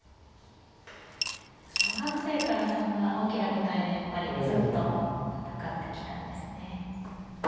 小学生からそんな大きな舞台でやっぱりずっと戦ってきたんですね。